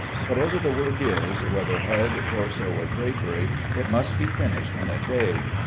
Whatever the work is, whether head, torso, or drapery, it must be finished in a day.